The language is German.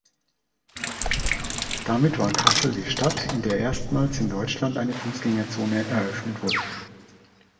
Damit war Kassel die Stadt, in der erstmals in Deutschland eine Fußgängerzone eröffnet wurde.